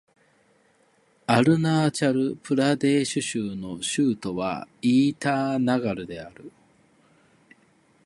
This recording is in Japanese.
アルナーチャル・プラデーシュ州の州都はイーターナガルである